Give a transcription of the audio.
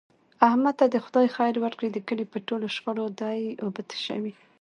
احمد ته دې خدای خیر ورکړي د کلي په ټولو شخړو دی اوبه تشوي.